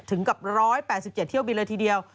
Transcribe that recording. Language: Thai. ถึงกับ๑๘๗เที่ยวบินเลยทีเดียว